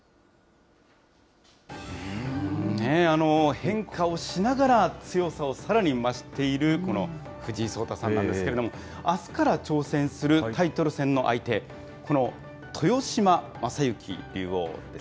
変化をしながら強さをさらに増している、この藤井聡太さんなんですけれども、あすから挑戦するタイトル戦の相手、この豊島将之竜王ですね。